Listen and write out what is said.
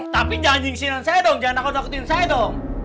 tapi jangan nyingsirin saya dong